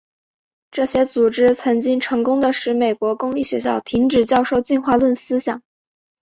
这些组织曾经成功地使美国公立学校停止教授进化论思想。